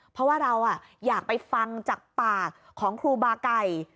เพราะว่าเราอยากไปฟังจากปากของครูบาไก่